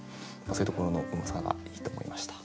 そういうところのうまさがいいと思いました。